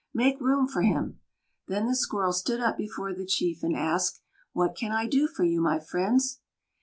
Make room for him!" Then the Squirrel stood up before the chief and asked: "What can I do for you, my friends?"